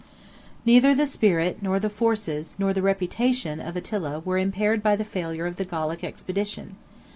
Neither the spirit, nor the forces, nor the reputation, of Attila, were impaired by the failure of the Gallic expedition.